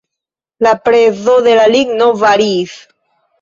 La prezo de la ligno variis.